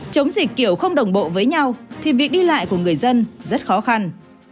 chống dịch kiểu không đồng bộ với nhau thì việc đi lại của người dân rất khó khăn